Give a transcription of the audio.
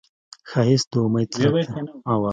ښایست د امید څرک دی